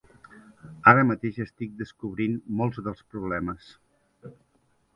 Ara mateix estic descobrint molts dels problemes.